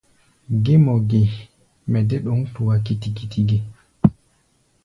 Gé mɔ ge mɛ dé ɗǒŋ tua kiti-kiti ge?